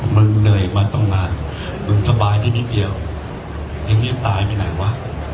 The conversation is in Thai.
มึงเหนื่อยมาตั้งนานมึงสบายได้นิดเดียวเองเงียบตายไปไหนวะ